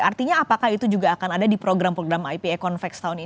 artinya apakah itu juga akan ada di program program ipa convex tahun ini